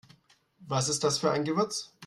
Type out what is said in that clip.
Was ist das für ein Gewürz?